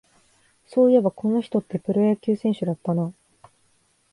そういえば、この人ってプロ野球選手だったな